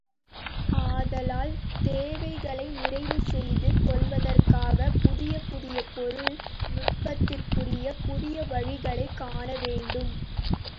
ஆதலால் தேவைகளை நிறைவு செய்து கொள்வதற்காகப் புதிய புதிய பொருள் நுட்பத்திற்குரிய புதிய வழிகளைக் காணவேண்டும்.